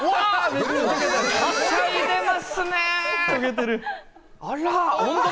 はしゃいでますね！